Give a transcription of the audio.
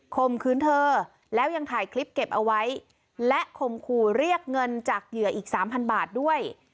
มขืนเธอแล้วยังถ่ายคลิปเก็บเอาไว้และข่มขู่เรียกเงินจากเหยื่ออีกสามพันบาทด้วย